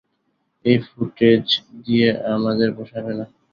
এই ফুটেজ দিয়ে আমাদের পোষাবে না।